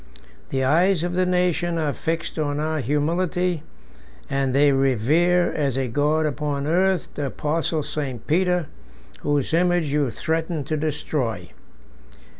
The eyes of the nations are fixed on our humility; and they revere, as a God upon earth, the apostle St. Peter, whose image you threaten to destroy.